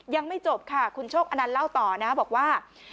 ยังไม่จบค่ะคุณโชคอนันต์เล่าต่อนะบอกว่า